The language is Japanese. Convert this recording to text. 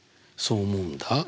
そう思うんだ。